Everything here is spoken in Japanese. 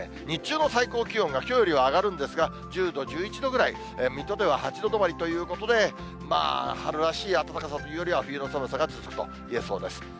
日中の最高気温がきょうよりは上がるんですが、１０度、１１度ぐらい、水戸では８度止まりということで、まあ、春らしい暖かさというよりは、冬の寒さが続くといえそうです。